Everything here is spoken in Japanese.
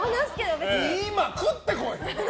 今食ってこい！